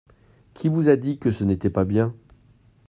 Qui vous a dit que ce n’était pas bien ?